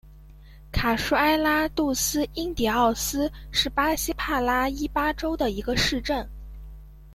卡舒埃拉杜斯因迪奥斯是巴西帕拉伊巴州的一个市镇。